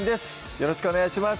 よろしくお願いします